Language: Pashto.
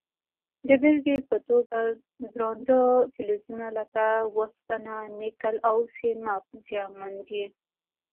د بیلګې په توګه درانده فلزونه لکه وسپنه، نکل او سیماب زیانمن دي.